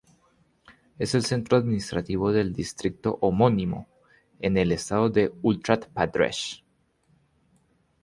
Es el centro administrativo del distrito homónimo, en el estado de Uttar Pradesh.